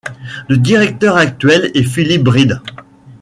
Le directeur actuel est Philip Bride.